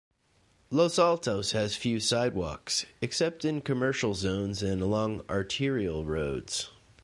Los Altos has few sidewalks except in commercial zones and along arterial roads.